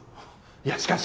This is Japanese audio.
いやしかし！